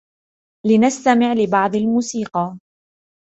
لنستمع لبعض الموسيقى.